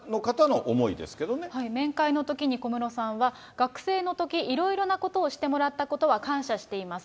面会のときに、小室さんは、学生のとき、いろいろなことをしてもらったことは感謝しています。